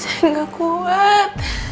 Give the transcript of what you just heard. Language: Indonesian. saya gak kuat